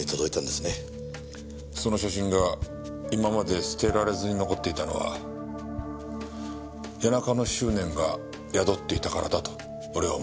その写真が今まで捨てられずに残っていたのは谷中の執念が宿っていたからだと俺は思う。